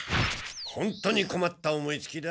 本当にこまった思いつきだ。